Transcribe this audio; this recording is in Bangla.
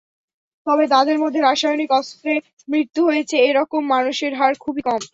তবে তাদের মধ্যে রাসায়নিক অস্ত্রে মৃত্যু হয়েছে—এ রকম মানুষের হার খুবই কম।